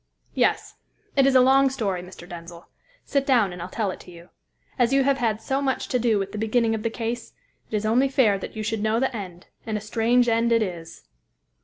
"Yes. It is a long story, Mr. Denzil. Sit down, and I'll tell it to you. As you have had so much to do with the beginning of the case, it is only fair that you should know the end, and a strange end it is."